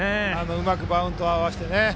うまくバウンドを合わせて。